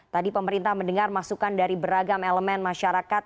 tadi pemerintah mendengar masukan dari beragam elemen masyarakat